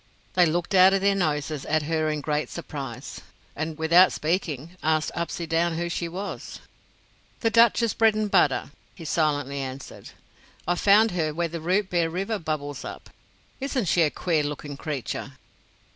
They looked out of their noses at her in great surprise, and, without speaking, asked Upsydoun who she was. "The Duchess Bredenbutta," he silently answered, "I found her where the Rootbeer River bubbles up. Isn't she a queer looking creature?"